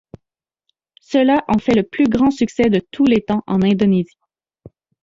Cela en fait le plus grand succès de tous les temps en Indonésie.